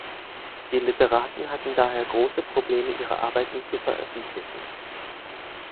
Die Literaten hatten daher große Probleme, ihre Arbeiten zu veröffentlichen.